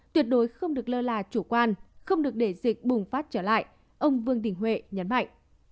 tuyệt đối không được lơ là chủ quan không được để dịch bùng phát trở lại ông vương đình huệ nhấn mạnh